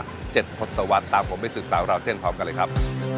๗พจตว์ตะวันตามผมไปสุดท้ายกันแล้วเทียนพร้อมกันเลยครับ